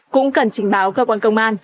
cũng cần trình báo cơ quan công an